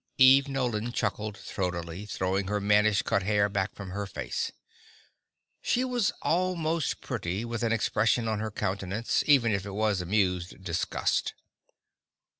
Eve Nolan chuckled throatily, throwing her mannish cut hair back from her face. She was almost pretty with an expression on her countenance, even if it was amused disgust.